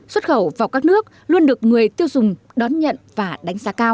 xuất khẩu vào các nước luôn được người tiêu dùng đón nhận và đánh giá cao